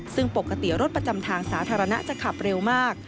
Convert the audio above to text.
ซึ่งปกติรถประจำทางสาธารณะจะขับเร็วมาก